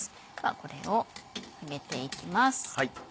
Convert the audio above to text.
これを上げていきます。